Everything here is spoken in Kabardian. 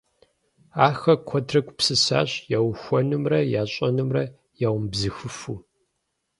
Ахэр куэдрэ гупсысащ яухуэнумрэ ящӏэнумрэ ямыубзыхуфу.